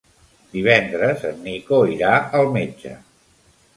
Divendres en Nico irà al metge.